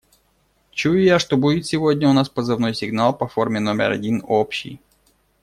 Чую я, что будет сегодня у нас позывной сигнал по форме номер один общий.